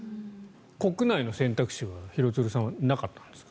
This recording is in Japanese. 国内の選択肢は廣津留さんはなかったんですか？